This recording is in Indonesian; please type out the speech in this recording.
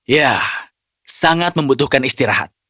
ya sangat membutuhkan istirahat